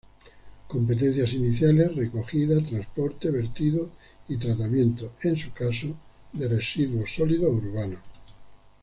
Competencias Iniciales: Recogida, transporte, vertido y tratamiento, en su caso, de residuos sólidos urbanos.